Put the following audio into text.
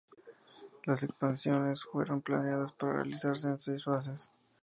Las expansiones fueron planeadas para realizarse en seis fases.